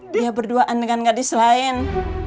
dia berduaan dengan gadis lain